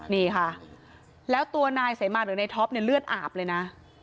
นี่ค่ะแล้วตัวนายเสมาหรือในท็อปเนี่ยเลือดอาบเลยนะ